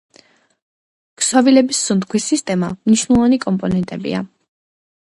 ქსოვილების სუნთქვის სისტემის მნიშვნელოვანი კომპონენტია.